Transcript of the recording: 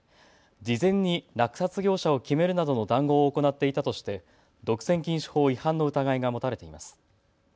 事前に落札業者を決めるなどの談合を行っていたとして独占禁止法違反の疑いが持たれています。